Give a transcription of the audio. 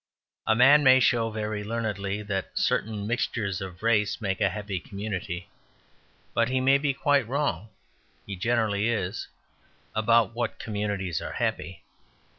A man may show very learnedly that certain mixtures of race make a happy community, but he may be quite wrong (he generally is) about what communities are happy.